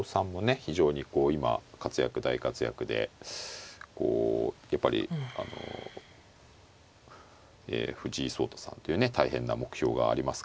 非常にこう今活躍大活躍でこうやっぱりあの藤井聡太さんっていうね大変な目標がありますからね。